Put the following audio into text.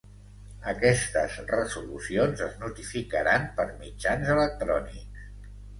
Aquestes resolucions es notificaran per mitjans electrònics.